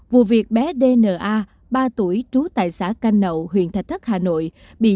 vụ việc bé dna ba tuổi trú tại xã canh nậu huyện thạch thất hà nội bị